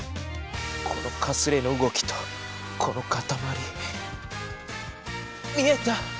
このかすれの動きとこのかたまり見えた！